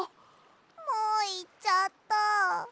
もういっちゃった。